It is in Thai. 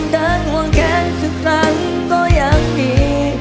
ทั้งห่วงแค้นสักครั้งก็ยังดี